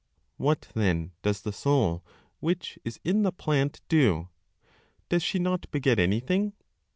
What then does the soul which is in the plant do? Does she not beget anything?